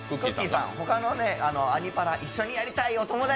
さん他のアニパラ、一緒にやりたいよ、友達。